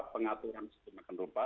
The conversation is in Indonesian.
pengaturan sedemikian rupa